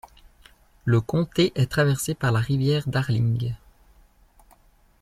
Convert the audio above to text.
Le Comté est traversé par la rivière Darling.